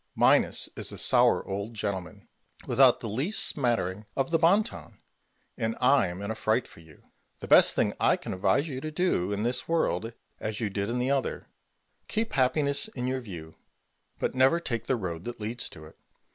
Minos is a sour old gentleman, without the least smattering of the bon ton, and I am in a fright for you. The best thing I can advise you is to do in this world as you did in the other, keep happiness in your view, but never take the road that leads to it.